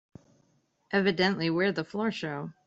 Evidently we're the floor show.